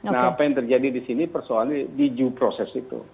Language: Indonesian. nah apa yang terjadi di sini persoalannya di due process itu